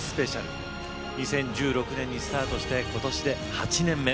今夜は２０１６年にスタートして今年で８年目。